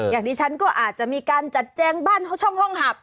อย่างนี้ฉันก็อาจจะมีการจัดแจงบ้านช่องห้องหับ